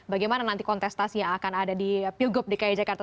bagaimana nanti kontestasi yang akan ada di pilgub dki jakarta